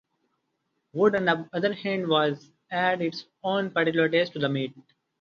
Wood on the other hand will add its own particular taste to the meat.